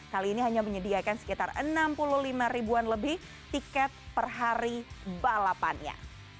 kali ini hanya menyediakan sekitar enam puluh lima ribuan lebih tiket per hari balapannya